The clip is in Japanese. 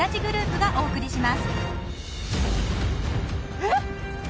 えっ！？